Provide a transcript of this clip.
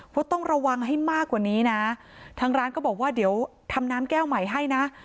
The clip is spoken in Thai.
ต้องระวังให้มากกว่านี้นะทางร้านก็บอกว่าเดี๋ยวทำน้ำแก้วใหม่ให้นะ